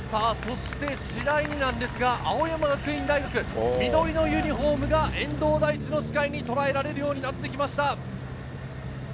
そして次第になんですが、青山学院大学、緑のユニホームが遠藤大地の視界にとらえられるようになってきました。